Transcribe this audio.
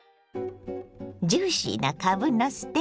ジューシーなかぶのステーキ。